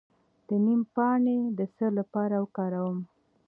د نیم پاڼې د څه لپاره وکاروم؟